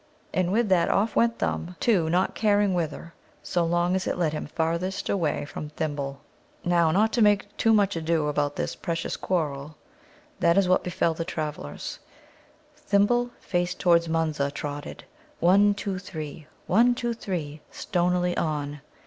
And with that, off went Thumb, too, not caring whither, so long as it led him farthest away from Thimble. Now, not to make too much ado about this precious quarrel, this is what befell the travellers: Thimble, face towards Munza, trotted one, two, three; one, two, three stonily on.